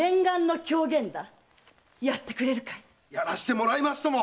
演らせてもらいますとも！